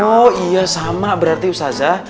oh iya sama berarti usazah